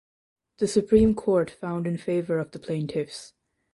The supreme court found in favor of the plaintiffs.